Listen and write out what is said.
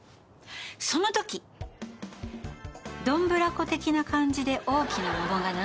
「そのときどんぶらこ的な感じで大きな桃が流れてきまして」